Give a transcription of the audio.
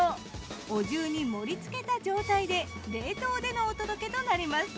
お重に盛り付けた状態で冷凍でのお届けとなります。